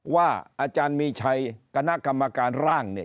อาจารย์มีชัยคณะกรรมการร่างเนี่ย